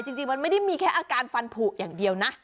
จริงมันไม่ได้มีแค่อาการฟันผูกอย่างเดียวนะ